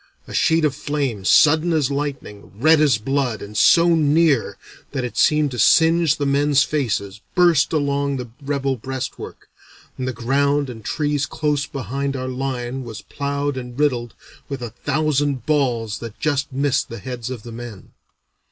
A sheet of flame, sudden as lightning, red as blood, and so near that it seemed to singe the men's faces, burst along the rebel breastwork, and the ground and trees close behind our line was ploughed and riddled with a thousand balls that just missed the heads of the men.